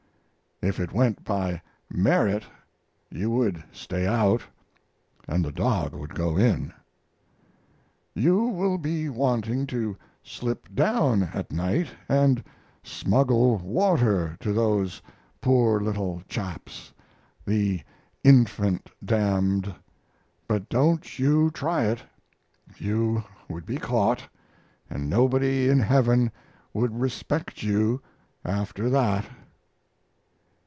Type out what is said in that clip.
If it went by merit you would stay out and the dog would go in. You will be wanting to slip down at night and smuggle water to those poor little chaps (the infant damned), but don't you try it. You would be caught, and nobody in heaven would respect you after that.